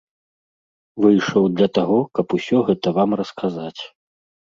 Выйшаў для таго, каб усё гэта вам расказаць.